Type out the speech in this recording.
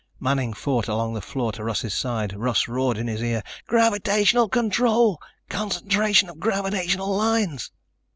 Manning fought along the floor to Russ's side. Russ roared in his ear: "Gravitational control! Concentration of gravitational lines!"